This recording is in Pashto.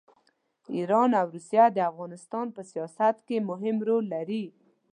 ایران او روسیه د افغانستان په سیاست کې مهم رول لري.